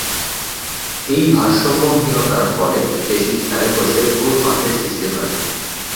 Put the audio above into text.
এই ভারসাম্যহীনতার ফলে পেশীর স্নায়ুকোষে ভুল পাঠের সৃষ্টি হয়।